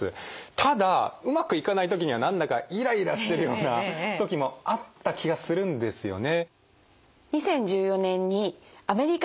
ただうまくいかない時には何だかイライラしてるような時もあった気がするんですよね。